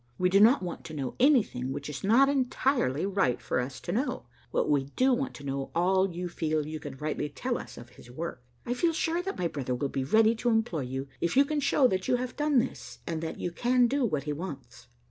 We do not want to know anything which is not entirely right for us to know, but we do want to know all you feel you can rightly tell us of his work. I feel sure that my brother will be ready to employ you, if you can show that you have done this, and that you can do what he wants."